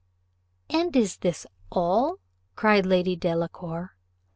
"And is this all?" cried Lady Delacour.